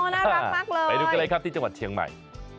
น่ารักมากเลยไปดูกันเลยครับที่จังหวัดเชียงใหม่